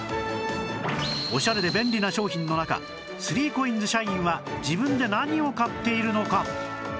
オシャレで便利な商品の中 ３ＣＯＩＮＳ 社員は自分で何を買っているのか？